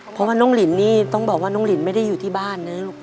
เพราะว่าน้องลินนี่ต้องบอกว่าน้องลินไม่ได้อยู่ที่บ้านนะลูก